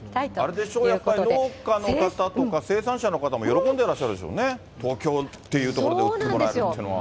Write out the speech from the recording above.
あれでしょ、農家の方とか生産者の方も喜んでらっしゃるでしょうね、東京っていう所で売ってもらえるというのは。